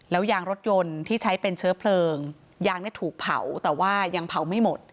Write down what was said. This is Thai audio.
แล้วยางรถยนต์ที่ใช้เป็นเชื้อเพลิงยางเนี่ยถูกเผาแต่ว่ายังเผาไม่หมด